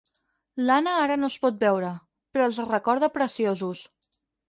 L'Anna ara no els pot veure, però els recorda preciosos.